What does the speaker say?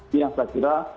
ini yang saya kira